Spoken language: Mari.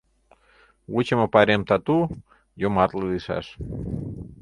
Вучымо пайрем тату, йомартле лийшаш.